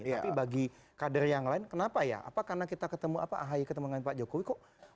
tapi bagi kader yang lain kenapa ya apa karena kita ketemu apa ahy ketemu dengan pak jokowi kok